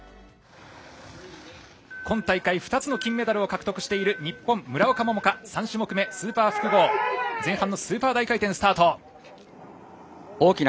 今大会２つの金メダルを獲得している日本、村岡桃佳３種目、スーパー複合前半のスーパー大回転スタート。